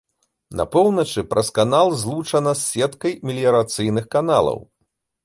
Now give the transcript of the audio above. На поўначы праз канал злучана з сеткай меліярацыйных каналаў.